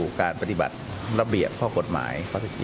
การดูการปฏิบัติระเบียบข้อกฎหมาย